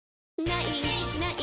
「ない！ない！